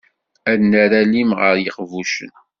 Ad nerr alim gar yiqbucen.